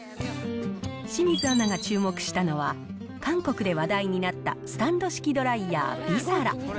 清水アナが注目したのは、韓国で話題になったスタンド式ドライヤー、ビサラ。